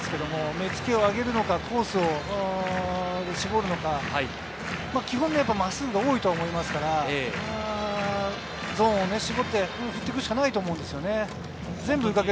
目つけを上げるのかコースを絞るのか、基本は真っすぐが多いと思いますからゾーンを絞って打っていくしかないと思います。